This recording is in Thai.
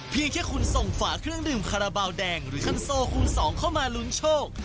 แค่คุณส่งฝาเครื่องดื่มคาราบาลแดงหรือคันโซคูณสองเข้ามาลุ้นโชค